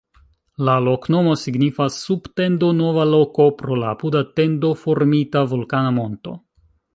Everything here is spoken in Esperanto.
La loknomo signifas: sub-tendo-nova-loko, pro la apuda tendo-formita vulkana monto.